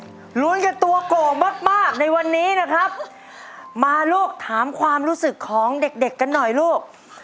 ลุ้นกันตัวโก่งมากมากในวันนี้นะครับมาลูกถามความรู้สึกของเด็กเด็กกันหน่อยลูก